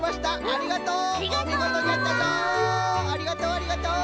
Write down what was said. ありがとうありがとう！